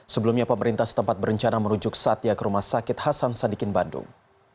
sebelumnya pemerintah setempat berencana merujuk satya ke rumah sakit hasan sadikin bandung